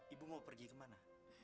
ibu mau pergi ke mana